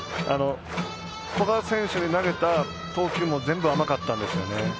古賀選手に投げた投球も全部、甘かったんですよね。